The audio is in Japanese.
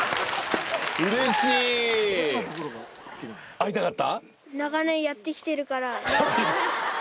会いたかった？